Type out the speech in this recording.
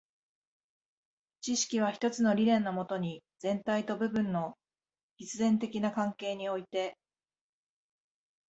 知識は一つの理念のもとに、全体と部分の必然的な関係において、